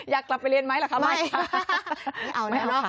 อยากกลับไปเรียนไหมล่ะค่ะ